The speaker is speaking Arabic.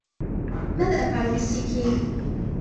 ماذا أفعل بالسكين ؟